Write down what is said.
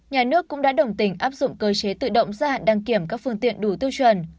nhà nước cũng đã đồng tình áp dụng cơ chế tự động gia hạn đăng kiểm các phương tiện đủ tiêu chuẩn